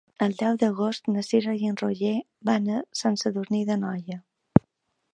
El deu d'agost na Cira i en Roger van a Sant Sadurní d'Anoia.